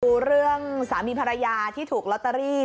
ดูเรื่องสามีภรรยาที่ถูกลอตเตอรี่